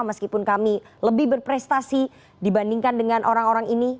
meskipun kami lebih berprestasi dibandingkan dengan orang orang ini